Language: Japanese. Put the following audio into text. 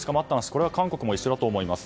これは韓国も一緒だと思います。